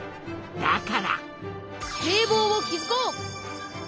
だから堤防をきずこう！